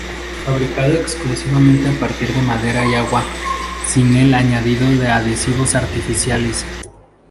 Fabricado exclusivamente a partir de madera y agua, sin el añadido de adhesivos artificiales.